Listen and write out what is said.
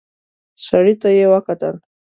سړي ته يې وکتل.